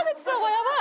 やばい！